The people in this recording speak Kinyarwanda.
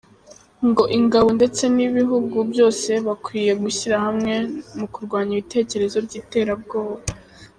Ngo ingabo ndetse n’ibihugu byose bakwiye gushyiramwe mu kurwanya ibitekerezo by’iterabwoba.